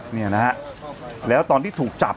เนี่ยนะฮะแล้วตอนที่ถูกจับ